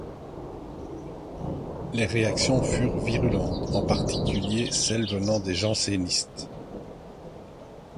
Les réactions furent virulentes, en particulier celles venant des Jansénistes.